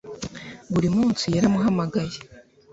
buri munsi yaramuhamagaye